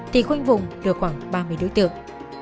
thì khuynh vùng được khoảng ba mươi đối tượng